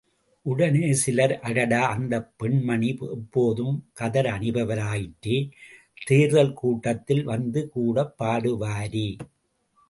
உடனே சிலர், அடடா அந்த பெண்மணி எப்போதும் கதர் அணிபவராயிற்றே, தேர்தல் கூட்டத்தில் வந்துகூட பாடுவாரே!